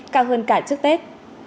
cao hơn cả trước tết